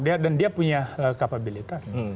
dan dia punya kapabilitas